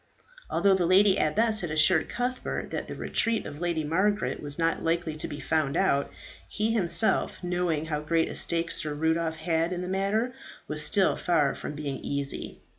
Although the lady abbess had assured Cuthbert that the retreat of Lady Margaret was not likely to be found out, he himself, knowing how great a stake Sir Rudolph had in the matter, was still far from being easy.